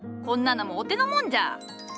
こんなのもお手のもんじゃ！